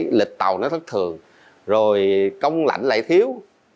thứ hai là lịch tàu nó thất thường rồi công lạnh lại thiếu